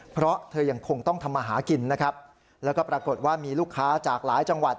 เพราะเธอยังคงต้องทำมาหากินนะครับแล้วก็ปรากฏว่ามีลูกค้าจากหลายจังหวัด